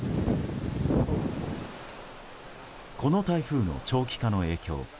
この台風の長期化の影響。